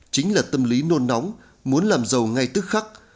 chính là tâm lý nôn nóng muốn làm giàu ngay tức khắc